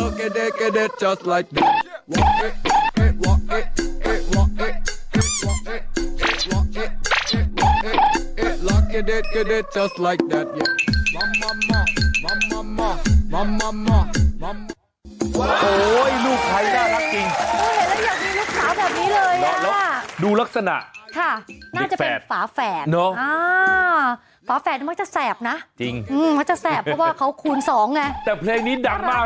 โอเคพูดให้มันได้เท่าไหร่ว่าจะเดินและกล่าวอ่ะลูกแบบนี้เลยอ่ะดูลักษณะค่ะ